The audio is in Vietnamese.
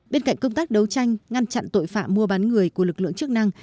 bên cạnh công tác đấu tranh ngăn chặn tội phạm mua bán người của lực lượng chức năng